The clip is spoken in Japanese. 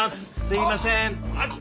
すいません。